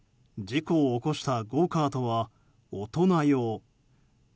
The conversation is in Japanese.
事故を起こしたゴーカートは大人用。